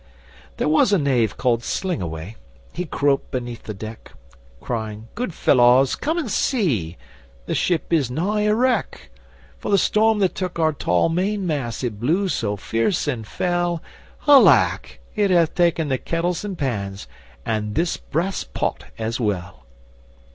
There was a knave called Slingawai, he crope beneath the deck, Crying: 'Good felawes, come and see! The ship is nigh a wreck! For the storm that took our tall main mast, it blew so fierce and fell, Alack! it hath taken the kettles and pans, and this brass pott as well!